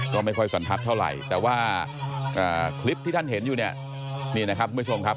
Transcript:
ก็ไม่ค่อยสันทัศน์เท่าไหร่แต่ว่าคลิปที่ท่านเห็นอยู่เนี่ยนี่นะครับคุณผู้ชมครับ